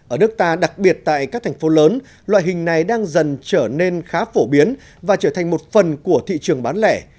ở nước ta đặc biệt tại các thành phố lớn loại hình này đang dần trở nên khá phổ biến và trở thành một phần của thị trường bán lẻ